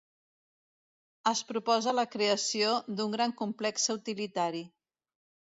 Es proposa la creació d'un gran complexe utilitari.